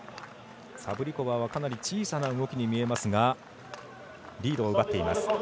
サブリコバーはかなり小さな動きに見えますがリードを奪っています。